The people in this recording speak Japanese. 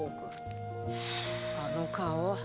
あの顔